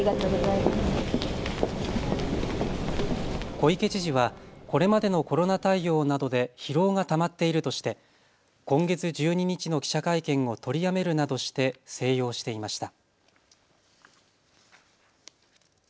小池知事はこれまでのコロナ対応などで疲労がたまっているとして今月１２日の記者会見を取りやめるなどして静養していました。